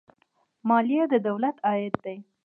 مالیه د دولت عاید دی